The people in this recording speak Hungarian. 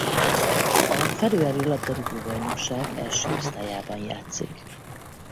A feröeri labdarúgó-bajnokság első osztályában játszik.